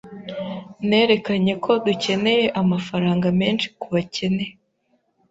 Nerekanye ko dukeneye amafaranga menshi kubakene.